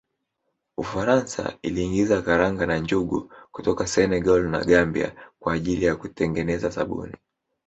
Ufaransa iliingiza karanga na njugu kutoka Senegal na Gambia kwa ajili ya kutengeneza sabuni